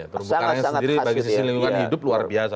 terumbu karangnya sendiri bagi sisi lingkungan hidup luar biasa